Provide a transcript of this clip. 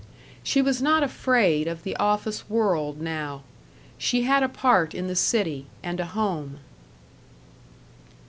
She was not afraid of the office world now; she had a part in the city and a home.